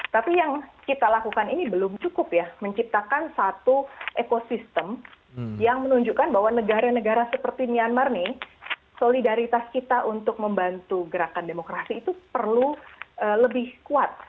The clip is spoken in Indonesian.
tapi yang kita lakukan ini belum cukup ya menciptakan satu ekosistem yang menunjukkan bahwa negara negara seperti myanmar nih solidaritas kita untuk membantu gerakan demokrasi itu perlu lebih kuat